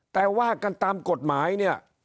แต่ว่ากันตามกฎหมายเนี่ย